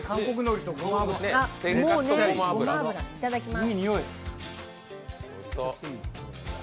いただきます。